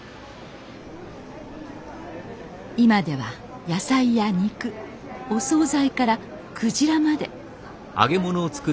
今では野菜や肉お総菜から鯨まで。